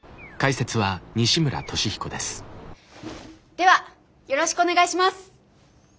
ではよろしくお願いします！